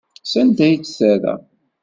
Sanda ay tt-terra?